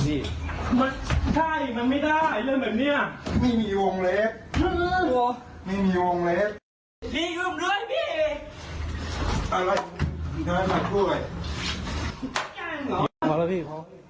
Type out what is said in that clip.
พี่ยุ่มมาแล้วพี่